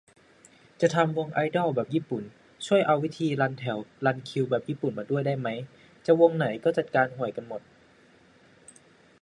จะทำวงไอดอลแบบญี่ปุ่น ช่วยเอาวิธีรันแถวรันคิวแบบญี่ปุ่นมาด้วยได้มั้ย จะวงไหนก็จัดการห่วยกันหมด